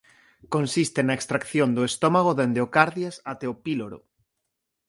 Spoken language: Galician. Consiste na extracción do estómago dende o cardias até o píloro.